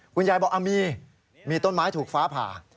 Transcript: คุณยายบอกมีมีต้นไม้ถูกฟ้าผ่า